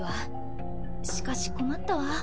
しかし困ったわ。